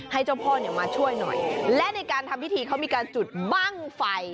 ให้เจ้าพ่อเนี่ยมาช่วยหน่อยและในการทำพิธีเขามีการจุดบ้างไฟ